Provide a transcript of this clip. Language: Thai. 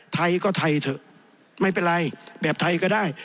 ไทยก็ไทยเถอะไม่เป็นไรแบบไทยก็ได้